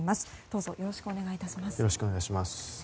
どうぞよろしくお願い致します。